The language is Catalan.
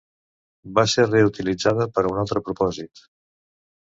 Va ser reutilitzada per a un altre propòsit.